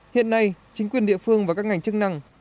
hiện nay chính quyền địa phương và các ngành chức năng